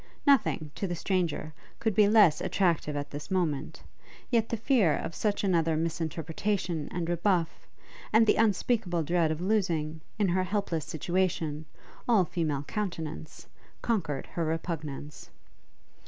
Nothing, to the stranger, could be less attractive at this moment; yet the fear of such another misinterpretation and rebuff, and the unspeakable dread of losing, in her helpless situation, all female countenance, conquered her repugnance.